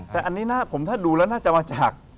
แต่อันนี้ผมถ้าดูแล้วน่าจะมาจาก